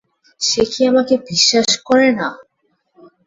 সে কি আমাকে বিশ্বাস করে না?